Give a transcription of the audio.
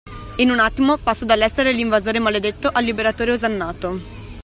In un attimo passo dall’essere l’invasore maledetto al liberatore osannato.